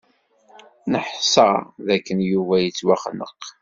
Neḥsa d akken Yuba yettwaxneq.